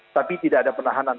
tapi tidak ada penahanan